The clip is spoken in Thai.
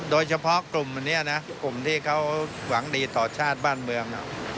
โดยเฉพาะกลุ่มอันนี้นะกลุ่มที่เขาหวังดีต่อชาติบ้านเมือง